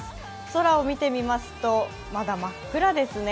空を見てみますと、まだ真っ暗ですね。